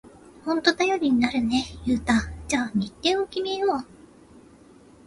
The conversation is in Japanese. ほんと頼りになるね、ユウタ。じゃあ日程を決めよう！